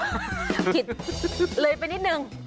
ผิดเลยไปนิดนึง